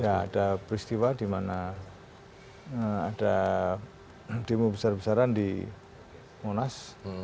ya ada peristiwa di mana ada demo besar besaran di monas